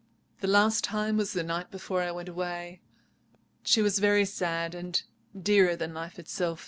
The last time was the night before I went away. She was very sad, and dearer than life itself.